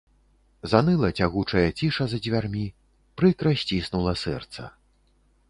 Заныла цягучая ціша за дзвярмі, прыкра сціснула сэрца.